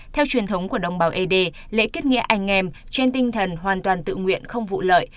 theo truyền thống của đồng bào ed lễ kết nghĩa anh em trên tinh thần hoàn toàn tự nguyện không vụ lợi